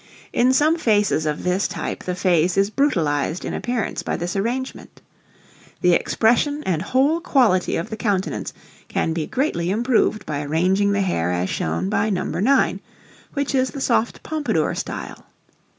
In some faces of this type the face is brutalized in appearance by this arrangement. The expression and whole quality of the countenance can be greatly improved by arranging the hair as shown by No. 9, which is the soft Pompadour style.